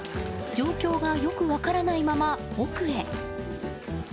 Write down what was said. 状況がよく分からないまま奥へ。